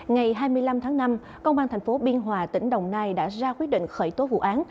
ngày hai mươi năm tháng năm công an tp biên hòa tỉnh đồng nai đã ra quyết định khởi tố vụ án